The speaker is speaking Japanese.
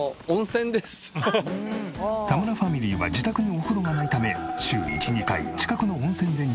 田村ファミリーは自宅にお風呂がないため週１２回近くの温泉で入浴しているが。